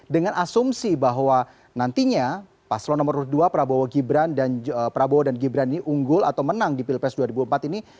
dengan asumsi bahwa nantinya paslon nomor dua prabowo gibran prabowo dan gibran ini unggul atau menang di pilpres dua ribu empat ini